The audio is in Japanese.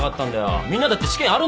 みんなだって試験あるんだろ？